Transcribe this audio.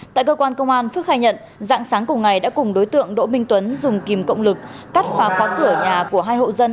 tại cơ quan công an phước khai nhận dạng sáng cùng ngày đã cùng đối tượng đỗ minh tuấn dùng kìm cộng lực cắt phá khóa cửa nhà của hai hộ dân